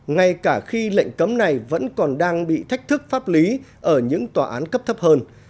ngay cả khi lệnh cấm này vẫn còn đang bị thách thức pháp lý ở những tòa án cấp thấp hơn